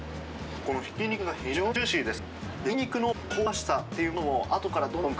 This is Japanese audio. このひき肉が非常にジューシーです。